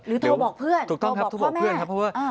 หรือโทรบอกเพื่อนโทรบอกพ่อแม่ถูกต้องครับโทรบอกเพื่อนครับเพราะว่า